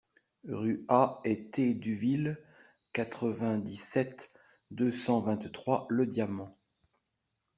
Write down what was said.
Rue A et T Duville, quatre-vingt-dix-sept, deux cent vingt-trois Le Diamant